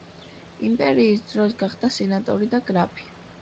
იმპერიის დროს გახდა სენატორი და გრაფი.